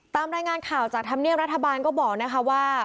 ตามรายงานข่าวจากธรรมเนียบรัฐบาลก็บอกนะคะว่า